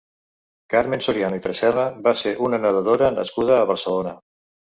Carmen Soriano i Tresserra va ser una nedadora nascuda a Barcelona.